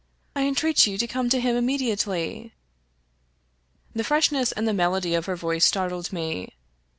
I entreat you to come to him immediately." The freshness and the melody of her voice startled me.